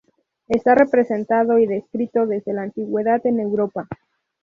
Está representado y descrito desde la antigüedad en Europa.